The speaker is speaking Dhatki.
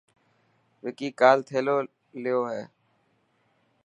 وڪي ڪال ٿيلو ليو هي.